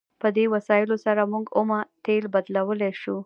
په دې وسایلو سره موږ اومه تیل بدلولی شو.